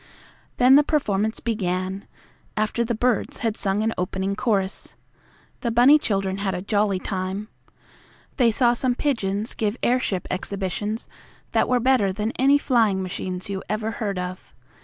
Then the performance began, after the birds had sung an opening chorus. The bunny children had a jolly time. They saw some pigeons give airship exhibitions that were better than any flying machines you ever heard of.